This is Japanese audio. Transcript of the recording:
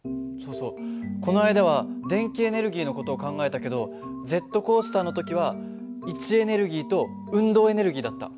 そうそうこの間は電気エネルギーの事を考えたけどジェットコースターの時は位置エネルギーと運動エネルギーだった。